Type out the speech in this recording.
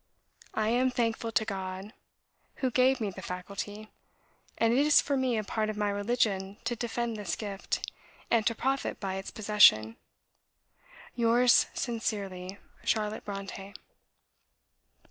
I am thankful to God, who gave me the faculty; and it is for me a part of my religion to defend this gift, and to profit by its possession. Yours sincerely, "CHARLOTTE BRONTË."